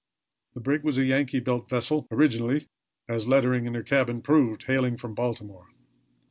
The brig was a Yankee built vessel; originally, as lettering in her cabin proved, hailing from Baltimore.